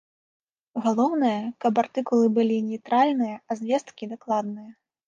Галоўнае, каб артыкулы былі нейтральныя, а звесткі дакладныя.